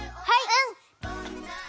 うん！